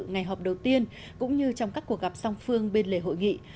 ngày họp đầu tiên cũng như trong các cuộc gặp song phương bên lề hội nghị